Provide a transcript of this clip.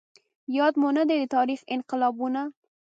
ياد مو نه دي د تاريخ انقلابونه